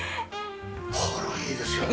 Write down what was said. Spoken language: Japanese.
ホーローいいですよね。